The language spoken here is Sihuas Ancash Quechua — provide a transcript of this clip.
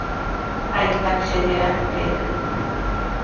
Pay takshallaraqmi kaykan.